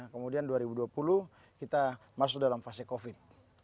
kemudian dua ribu dua puluh kita masuk dalam fase covid